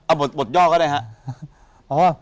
เอาบทย่อก็ได้ครับ